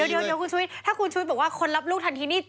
เดี๋ยวคุณชุวิตถ้าคุณชุวิตบอกว่าคนรับลูกทันทีนี่